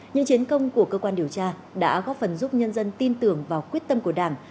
những chiến công của cơ quan điều tra đã góp phần giúp nhân dân tin tưởng vào quyết tâm của đảng